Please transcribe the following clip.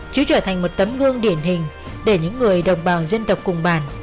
chứa trở thành một tấm gương điển hình để những người đồng bào dân tộc cùng bàn